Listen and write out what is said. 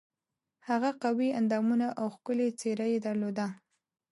هغه قوي اندامونه او ښکلې څېره یې درلوده.